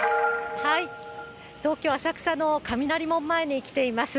東京・浅草の雷門前に来ています。